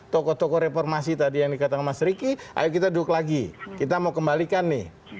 tokoh tokoh reformasi tadi yang dikatakan mas riki ayo kita duduk lagi kita mau kembalikan nih